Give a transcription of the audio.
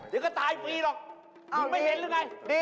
เดี๋ยวก็ตายฟรีหรอกไม่เห็นหรือไง